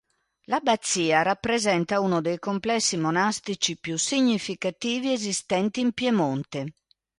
L'abbazia rappresenta uno dei complessi monastici più significativi esistenti in Piemonte.